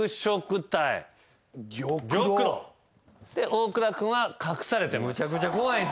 大倉君は隠されてます。